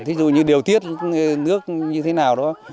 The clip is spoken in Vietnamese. thí dụ như điều tiết nước như thế nào đó